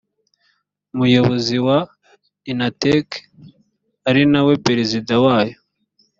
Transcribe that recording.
umuyobozi wa inatek ari nawe perezida wayo